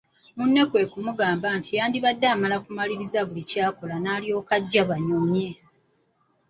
Munne kwe kumugamba nti yandibadde amala kumaliriza buli ky’akola n’alyoka ajja banyumye.